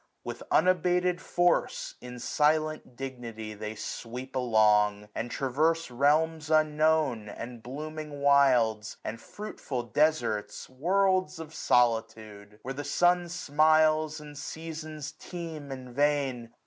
With unabated force, 845 In silent dignity they sweep along ; And traverse realms unknown, and blooming wilds> And fruitful desarts, worlds of solitude ! Where the sun smiles and seasons teem in vain.